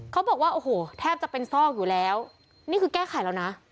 เขาบอกว่าโอ้โหแทบจะเป็นซอกอยู่แล้วนี่คือแก้ไขแล้วนะ